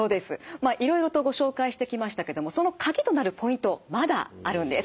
まあいろいろとご紹介してきましたけどもその鍵となるポイントまだあるんです。